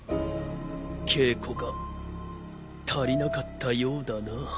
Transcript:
稽古が足りなかったようだな。